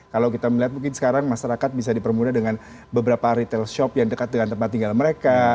kalau kita melihat mungkin sekarang masyarakat bisa dipermudah dengan beberapa retail shop yang dekat dengan tempat tinggal mereka